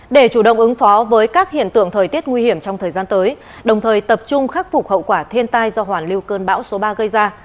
để chủ động ứng phó với các hiện tượng thời tiết nguy hiểm trong thời gian tới đồng thời tập trung khắc phục hậu quả thiên tai do hoàn lưu cơn bão số ba gây ra